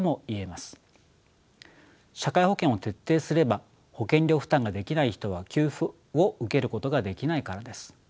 社会保険を徹底すれば保険料負担ができない人は給付を受けることができないからです。